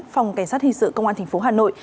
phòng cảnh sát hình sự công an thành phố hà nội